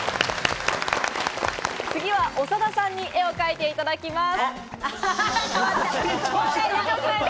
次は長田さんに絵を描いていただきます。